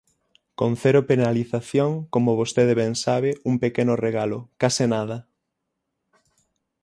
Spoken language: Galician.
Con cero penalización, como vostede ben sabe, un pequeno regalo, ¡case nada!